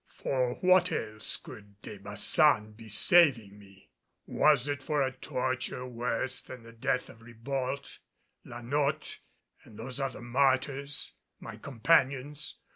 For what else could De Baçan be saving me? Was it for a torture worse than the death of Ribault, La Notte and those other martyrs, my companions?